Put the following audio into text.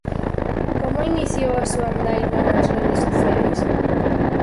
Como iniciou a súa andaina nas redes sociais?